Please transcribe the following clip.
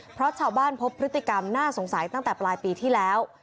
เพราะชาวบ้านพบพฤติกรรมน่าสงสัยตั้งแต่ปลายปีที่แล้ว